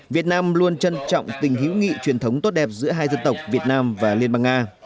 việt nam luôn trân trọng tình hữu nghị truyền thống tốt đẹp giữa hai dân tộc việt nam và liên bang nga